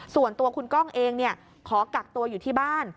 ส่วนตัวคุณก้องเองขอกักตัวอยู่ที่บ้าน